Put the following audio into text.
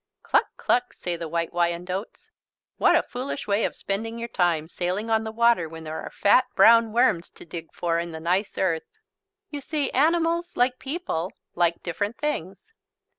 "Cluck, cluck," say the White Wyandottes, "what a foolish way of spending your time, sailing on the water when there are fat, brown worms to dig for in the nice earth!" You see animals, like people, like different things.